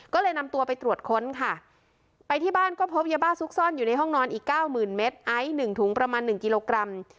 ก็เลยนำตัวไปตรวจค้นค่ะไปที่บ้านก็พบยาบ้าซุกซ่อนอยู่ในห้องนอนอีกเก้าหมื่นเมตรไอซ์หนึ่งถุงประมาณ๑กิโลกรัม